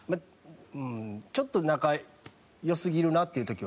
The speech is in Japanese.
ちょっと仲良すぎるなっていう時はあるよな。